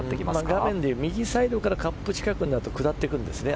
画面で右サイドからカップ近くになると下ってくるんですね。